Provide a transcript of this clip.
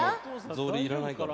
草履要らないから。